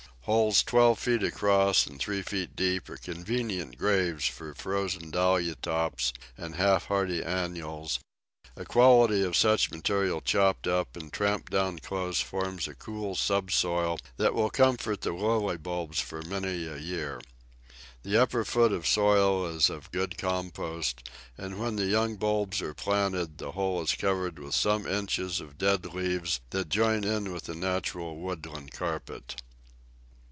Holes twelve feet across and three feet deep are convenient graves for frozen Dahlia tops and half hardy Annuals; a quantity of such material chopped up and tramped down close forms a cool subsoil that will comfort the Lily bulbs for many a year. The upper foot of soil is of good compost, and when the young bulbs are planted, the whole is covered with some inches of dead leaves that join in with the natural woodland carpet.